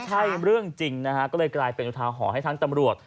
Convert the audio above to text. ใช่เรื่องจริงนะฮะก็เลยกลายเป็นอุทาหรณ์ให้ทั้งตำรวจ